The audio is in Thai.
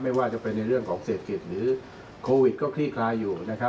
ไม่ว่าจะเป็นในเรื่องของเศรษฐกิจหรือโควิดก็คลี่คลายอยู่นะครับ